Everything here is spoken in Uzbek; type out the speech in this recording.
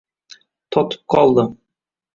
Totib qoldi